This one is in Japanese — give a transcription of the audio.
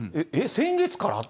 先月から？